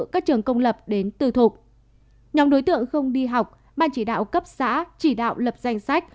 các trường công lập đến nhóm đối tượng không đi học ban chỉ đạo cấp xã chỉ đạo lập danh sách